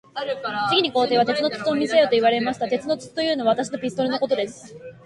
次に皇帝は、鉄の筒を見せよと言われました。鉄の筒というのは、私のピストルのことです。